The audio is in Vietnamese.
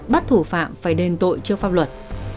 bắt thủ phạm phải đền tội trước pháp luật